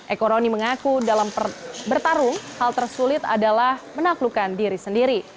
ekoroni mengaku dalam bertarung hal tersulit adalah menaklukkan diri sendiri